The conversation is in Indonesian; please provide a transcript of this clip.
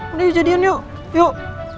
udah yuk jadian yuk